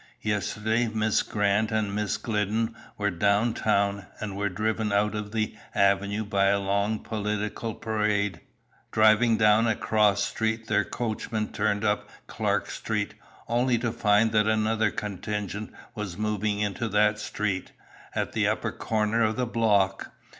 Yesterday Miss Grant and Miss Glidden were down town, and were driven out of the avenue by a long political parade. Driving down a cross street their coachman turned up Clark Street, only to find that another contingent was moving into that street, at the upper corner of the block.